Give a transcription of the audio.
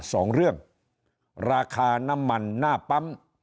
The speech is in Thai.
สองเรื่องราคาน้ำมันหน้าปั๊ม